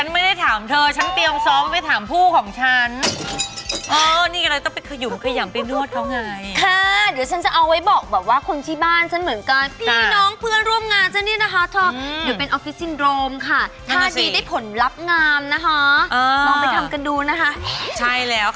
ไม่อันนั้นเขาจะมีอย่างงี้